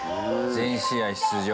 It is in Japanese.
全試合出場。